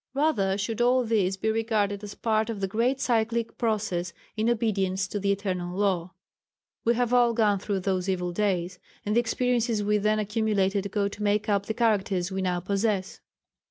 Rather should all this be regarded as part of the great cyclic process in obedience to the eternal law. We have all gone through those evil days, and the experiences we then accumulated go to make up the characters we now possess.